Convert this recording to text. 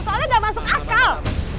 soalnya gak masuk akal